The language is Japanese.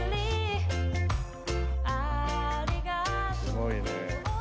すごいね。